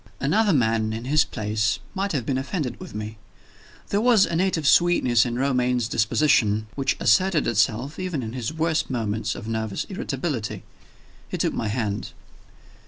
Another man, in his place, might have been offended with me. There was a native sweetness in Romayne's disposition, which asserted itself even in his worst moments of nervous irritability. He took my hand.